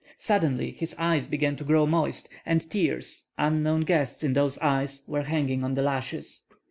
Suddenly his eyes began to grow moist; and tears, unknown guests in those eyes, were hanging on the lashes.